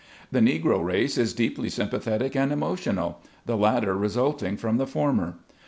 The Negro race is deeply sympathetic and emo tional, the latter resulting from the former.